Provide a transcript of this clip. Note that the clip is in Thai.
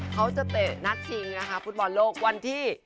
เขาจะเตะนัดเชียงฟุตบอลโลกวันที่